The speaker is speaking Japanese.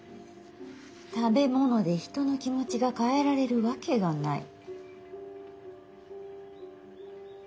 食べ物で人の気持ちが変えられるわけがない。